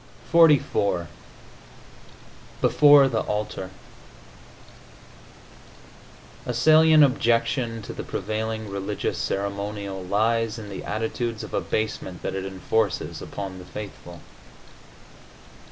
XLIV BEFORE THE ALTAR A salient objection to the prevailing religious ceremonial lies in the attitudes of abasement that it enforces upon the faithful.